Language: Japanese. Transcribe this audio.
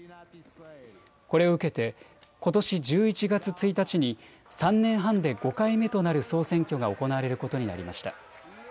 これを受けてことし１１月１日に３年半で５回目となる総選挙が行われることになりました。